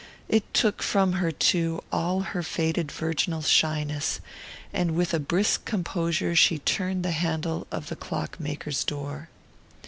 It took from her, too, all her faded virginal shyness; and with a brisk composure she turned the handle of the clock maker's door.